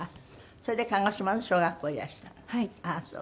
それで鹿児島の小学校へいらしたの？